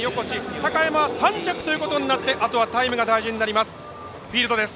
高山は３着ということになってあとはタイムが大事になります。